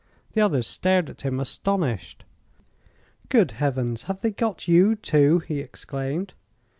The other stared at him astonished. "Good heavens! Have they got you, too?" he exclaimed.